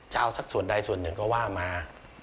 จะเอาสักส่วนใดส่วนหนึ่งก็ว่ามา